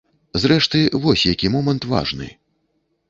Зрэшты, вось які момант важны.